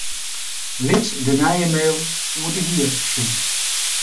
Lit de nije mail oer de hier sjen.